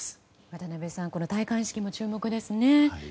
渡辺さん戴冠式も注目ですね。